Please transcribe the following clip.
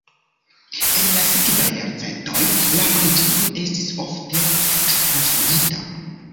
En la sekvaj jarcentoj la preĝejo estis ofte trakonstruita.